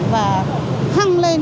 và hăng lên